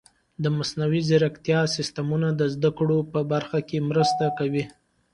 د مصنوعي ځیرکتیا سیستمونه د زده کړو په برخه کې مرسته کوي.